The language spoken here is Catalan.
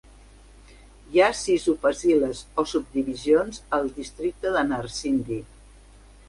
Hi ha sis upaziles, o subdivisions, al districte de Narsingdi.